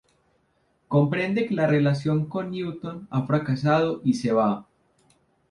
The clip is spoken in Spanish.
Comprende que la relación con Newton ha fracasado, y se va.